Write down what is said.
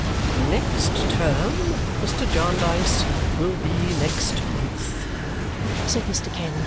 "Next term, Mr. Jarndyce, will be next month," said Mr. Kenge.